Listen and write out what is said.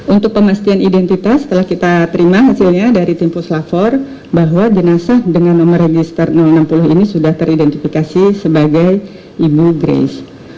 untuk pemastian identitas setelah kita terima hasilnya dari tim puslapor bahwa jenazah dengan nomor register enam puluh ini sudah teridentifikasi sebagai ibu grace